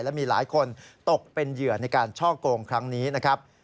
และมีหลายคนตกเป็นเหยื่อในการช่อโกงครั้งนี้นะครับ